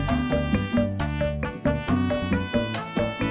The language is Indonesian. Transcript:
aduh pake grogi lagi